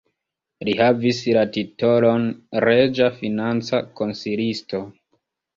Li havis la titolon reĝa financa konsilisto.